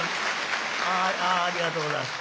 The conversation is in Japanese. ありがとうございます。